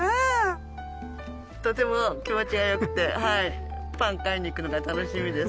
とても気持ちが良くてパン買いに行くのが楽しみです。